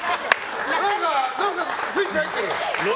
何かスイッチ入ってる！